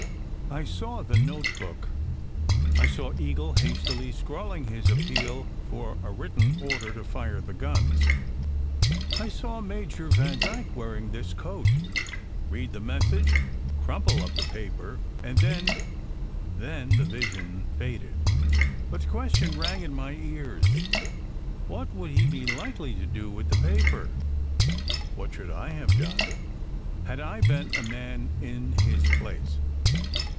I saw the notebook. I saw Eagle hastily scrawling his appeal lor a written order to fire the guns. I saw Major Vandyke wearing this coat, read the message, crumple up the paper, and then then the vision faded. But the question rang in my ears: what would he be likely to do with the paper? What should I have done had I been a man in his place?